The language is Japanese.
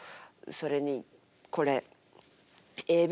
それにこれええ